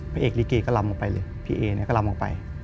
พระเอกลิเกก็ลำออกไปเลยพี่เอก็ลำออกไป